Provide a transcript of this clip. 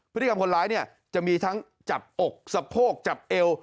พฤติกรรมคนร้ายเนี่ยจะมีทั้งจับอกสะโพกจับเอว